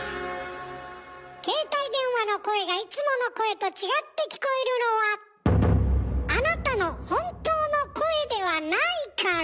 携帯電話の声がいつもの声と違って聞こえるのはあなたの本当の声ではないから。